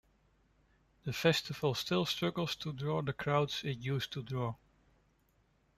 The festival still struggled to draw the crowds it used to draw.